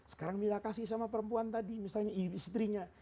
sekarang mila kasih sama perempuan tadi misalnya istrinya